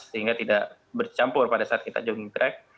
sehingga tidak bercampur pada saat kita jogging track